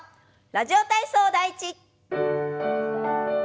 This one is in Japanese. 「ラジオ体操第１」。